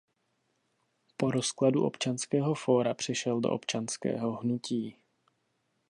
Po rozkladu Občanského fóra přešel do Občanského hnutí.